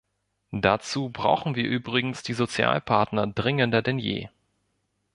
Dazu brauchen wir übrigens die Sozialpartner dringender denn je.